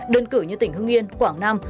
đơn cử như tỉnh hưng yên quảng nam